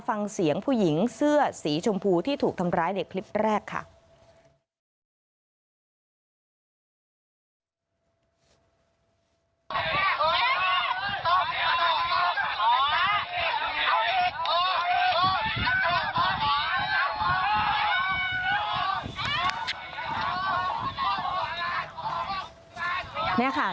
ฟังเสียงผู้หญิงเสื้อสีชมพูที่ถูกทำร้ายในคลิปแรกค่ะ